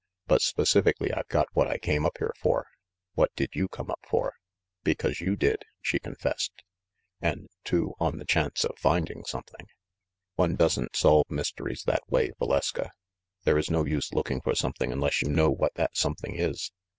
But spe cifically, I've got what I came up here for. What did you come up for?" "Because you did," she confessed. "And, too, on the chance of finding something." "One doesn't solve mysteries that way, Valeska. There is no use looking for something unless you know 54 THE MASTER OF MYSTERIES what that something is.